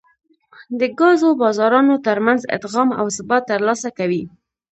د ګازو بازارونو ترمنځ ادغام او ثبات ترلاسه کوي